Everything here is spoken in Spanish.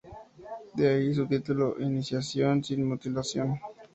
De ahí su título "Iniciación sin mutilación".